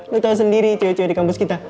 lo tau sendiri cua cua di kampus kita